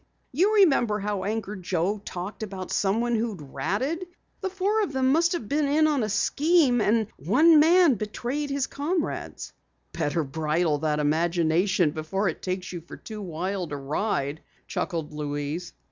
You remember how Anchor Joe talked about someone who had 'ratted'? The four of them must have been in on a scheme, and one man betrayed his comrades." "Better bridle that imagination before it takes you for too wild a ride," chuckled Louise.